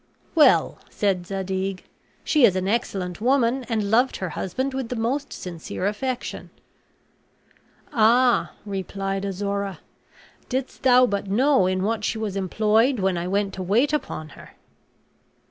"Well," said Zadig, "she is an excellent woman, and loved her husband with the most sincere affection." "Ah," replied Azora, "didst thou but know in what she was employed when I went to wait upon her!"